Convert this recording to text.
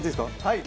はい。